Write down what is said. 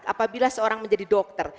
apabila seorang menjadi dokter